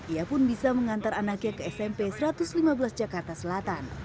ia pun bisa mengantar anaknya ke smp satu ratus lima belas jakarta selatan